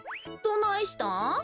どないしたん？